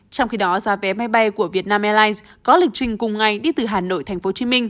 trong khi đó giá vé máy bay của vietnam airlines có lịch trình cùng ngày đi từ hà nội tp hcm